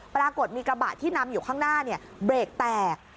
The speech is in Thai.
ปรากฏมีกระบะที่นำอยู่ข้างหน้าเบรกแตก